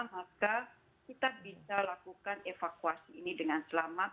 maka kita bisa lakukan evakuasi ini dengan selamat